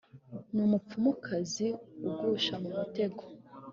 na umupfumukazi ugusha mu mutego